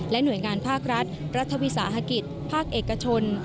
หน่วยงานภาครัฐรัฐวิสาหกิจภาคเอกชน